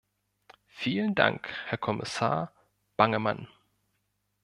Vielen Dank, Herr Kommissar Bangemann.